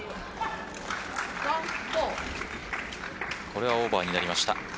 これはオーバーになりました。